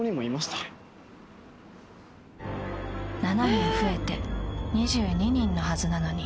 ［７人増えて２２人のはずなのに］